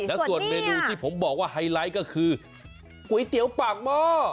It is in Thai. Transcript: แล้วส่วนเมนูที่ผมบอกว่าไฮไลท์ก็คือก๋วยเตี๋ยวปากหม้อ